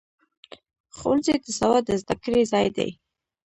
ښوونځی د سواد د زده کړې ځای دی.